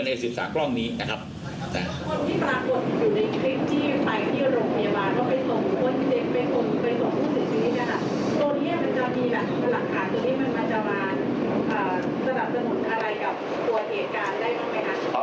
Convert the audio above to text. มันจะมีหลักฐานที่มันจะวาดสมุนอะไรกับตัวเหตุการณ์ได้บ้างไหมครับ